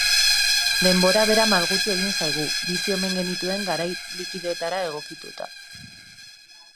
Denbora bera malgutu egin zaigu, bizi omen genituen garai likidoetara egokituta.